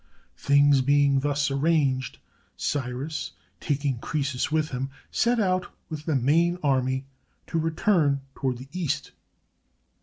Things being thus arranged, Cyrus, taking Croesus with him, set out with the main army to return toward the East.